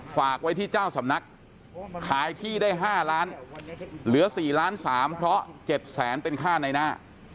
ฝากไว้ที่เจ้าสำนักขายที่ได้๕ล้านเหลือ๔ล้าน๓เพราะ๗แสนเป็นค่าในหน้า